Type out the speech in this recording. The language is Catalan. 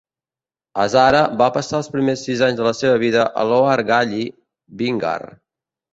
Hazare va passar els primers sis anys de la seva vida a Lohar Galli, Bhingar.